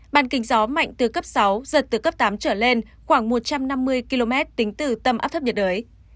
bàn kinh gió mạnh từ cấp sáu giật từ cấp tám trở lên khoảng một trăm năm mươi km tính từ tâm áp thấp nhiệt đới